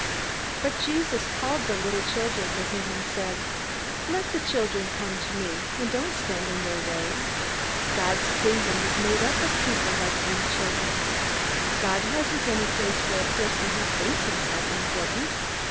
But Jesus called the little children to him, and said: "Let the little children come to me, and don't stand in their way. God's Kingdom is made up of people like these children. God hasn't any place for a person who thinks himself important.